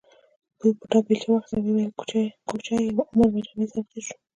بوډا بېلچه واخیسته او وویل کوچی یم عمر مې رمې سره تېر شو.